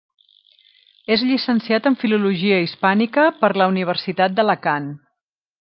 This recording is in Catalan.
És llicenciat en Filologia Hispànica per la Universitat d'Alacant.